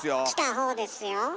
来たほうですよ。